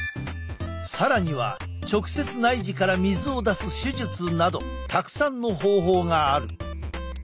更には直接内耳から水を出す手術などたくさんの方法がある。